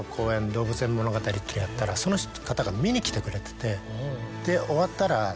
『動物園物語』ってのやったらその方が見に来てくれてて。